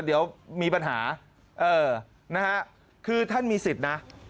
เดี๋ยวมีปัญหาคือท่านมีสิทธิ์นะ